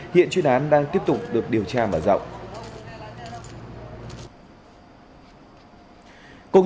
hiện chuyên án đang tiếp tục được điều tra mở rộng